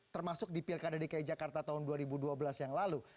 termasuk di pilkada dki jakarta tahun dua ribu dua belas yang lalu